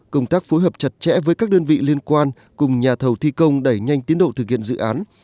công tác phối hợp chặt chẽ với các đơn vị liên quan cùng nhà thầu thi công đẩy nhanh tiến độ thực hiện dự án